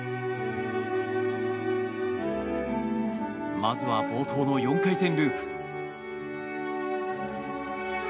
まずは冒頭の４回転ループ。